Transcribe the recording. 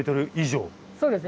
そうですね。